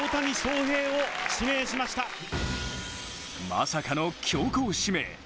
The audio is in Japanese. まさかの強行指名。